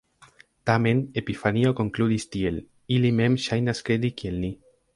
Tamen, Epifanio konkludis tiel: "“Ili mem ŝajnas kredi kiel ni”".